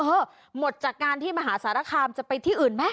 เออหมดจากงานที่มหาศรภามจะไปที่อื่นมั้ย